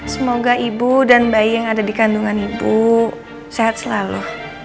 semoga ibu dan bayi yang ada di kandungan ibu sehat selalu